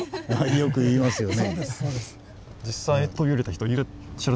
よく言いますよね。